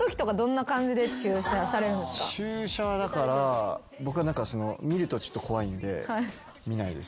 注射はだから僕は見るとちょっと怖いんで見ないです。